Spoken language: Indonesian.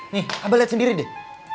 nih abah lihat sendiri deh